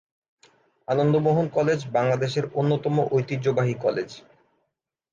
আনন্দ Mohan college বাংলাদেশের অন্যতম ঐতিহ্যবাহী কলেজ।